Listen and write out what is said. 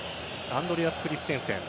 アンドレアス・クリステンセン。